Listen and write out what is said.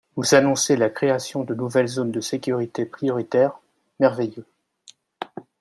Vous annoncez la création de nouvelles zones de sécurité prioritaire, merveilleux